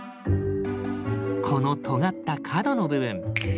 このとがった角の部分。